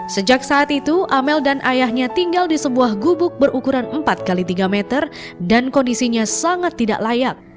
sejak saat itu amel dan ayahnya tinggal di sebuah gubuk berukuran empat x tiga meter dan kondisinya sangat tidak layak